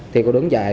thì cô đứng dạy